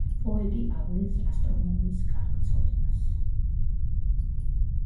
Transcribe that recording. პოეტი ავლენს ასტრონომიის კარგ ცოდნას.